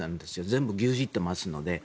全部、牛耳ってますので。